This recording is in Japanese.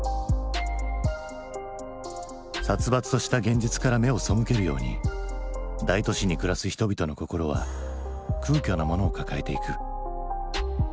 殺伐とした現実から目を背けるように大都市に暮らす人々の心は空虚なものを抱えていく。